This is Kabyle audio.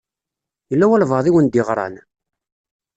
Yella walebɛaḍ i wen-d-iɣṛan?